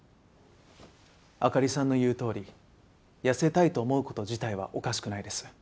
朱里さんの言うとおり痩せたいと思う事自体はおかしくないです。